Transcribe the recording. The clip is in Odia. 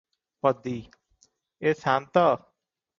ପଦୀ-ଏ ସାନ୍ତ!